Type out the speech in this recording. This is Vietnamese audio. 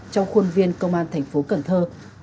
trong khuôn viên công an tp cần thơ